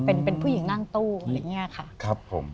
เป็นผู้หญิงนั่งตู้อะไรอย่างนี้ค่ะครับผม